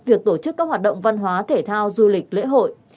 việc tổ chức các hoạt động văn hóa thể thao du lịch lễ hội